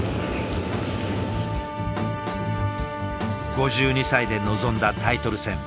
５２歳で臨んだタイトル戦。